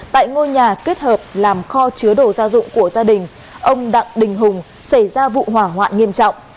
tại ngôi nhà kết hợp làm kho chứa đồ gia dụng của gia đình ông đặng đình hùng xảy ra vụ hỏa hoạn nghiêm trọng